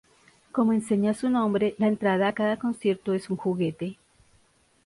Como enseña su nombre, la entrada a cada concierto es un juguete.